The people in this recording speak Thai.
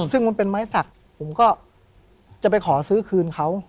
ซึ่งมันเป็นไม้สักผมก็จะไปขอซื้อคืนเขา